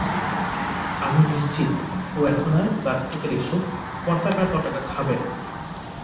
আমি নিশ্চিত ও এখন আর প্লাস্টিকের এইসব পতাকা-টতাকা খাবে না।